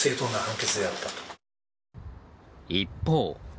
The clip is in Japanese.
一方。